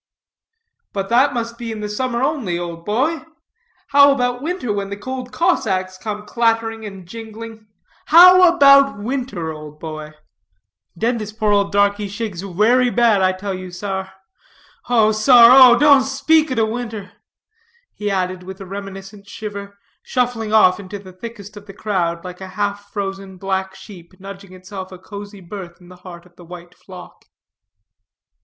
"But that must be in the summer only, old boy. How about winter, when the cold Cossacks come clattering and jingling? How about winter, old boy?" "Den dis poor old darkie shakes werry bad, I tell you, sar. Oh sar, oh! don't speak ob der winter," he added, with a reminiscent shiver, shuffling off into the thickest of the crowd, like a half frozen black sheep nudging itself a cozy berth in the heart of the white flock.